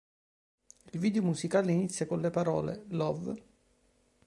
Il video musicale inizia con le parole "Love?